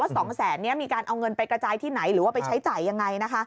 ว่า๒๐๐๐๐๐บาทมีการเอาเงินไปกระจายที่ไหนหรือว่าไปใช้จ่ายยังไง